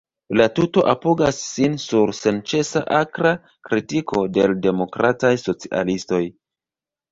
La tuto apogas sin sur senĉesa akra kritiko de l‘ demokrataj socialistoj.